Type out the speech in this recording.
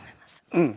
うん。